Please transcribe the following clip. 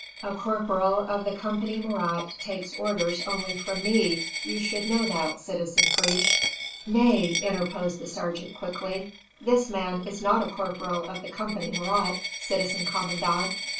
"A corporal of the Company Marat takes orders only from me; you should know that, citizen Friche." "Nay!" interposed the sergeant quickly, "this man is not a corporal of the Company Marat, citizen commandant.